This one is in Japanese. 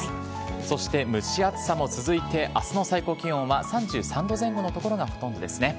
そして蒸し暑さも続いて、あすの最高気温は、３３度前後の所がほとんどですね。